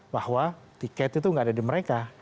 bahwa tiket itu tidak ada di mereka